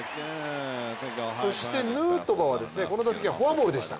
そしてヌートバーはこの打席はフォアボールでした。